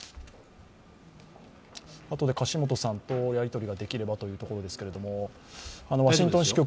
あとで樫元さんとやり取りができればというところですが。